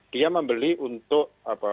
dia membeli untuk